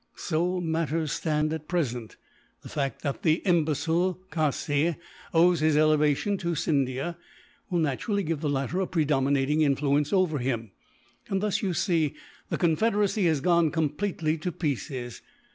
"So matters stand, at present. The fact that the imbecile Khassee owes his elevation to Scindia will, naturally, give the latter a predominating influence over him. Thus, you see, the confederacy has gone completely to pieces.